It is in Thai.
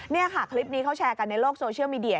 นี่ค่ะคลิปนี้เขาแชร์กันในโลกโซเชียลมีเดีย